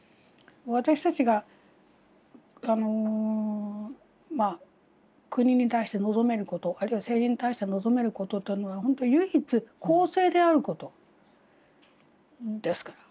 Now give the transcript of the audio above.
私たちが国に対して望めることあるいは政治に対して望めることというのは本当唯一公正であることですから。